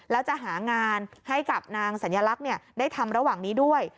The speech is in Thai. แล้วจะหางานให้กับนางสัญลักษณ์ได้ทำระหว่างนี้ด้วย